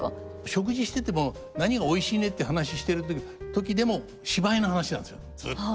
食事してても「何がおいしいね」って話してる時でも芝居の話なんですよずっと。